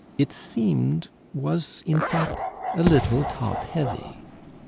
it seemed was, in fact, "a little top heavy."